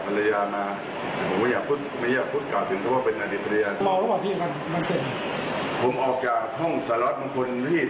ปฏิยนต่อตัวเองว่าจะควบคุมสะติอารมณ์ไม่ให้เกิดเหตุการณ์ในลักษณะนี้ขึ้นอีก